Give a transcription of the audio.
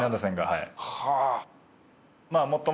はい。